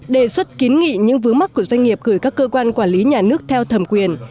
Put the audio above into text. đề xuất kiến nghị những vướng mắt của doanh nghiệp gửi các cơ quan quản lý nhà nước theo thẩm quyền